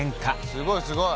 すごいすごい！